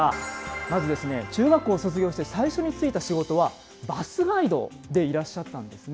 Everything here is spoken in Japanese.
まず、中学校を卒業して最初に就いた仕事はバスガイドでいらっしゃったんですね。